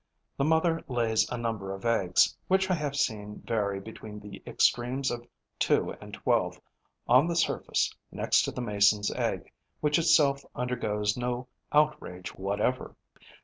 The mother lays a number of eggs, which I have seen vary between the extremes of two and twelve, on the surface, next to the Mason's egg, which itself undergoes no outrage whatever.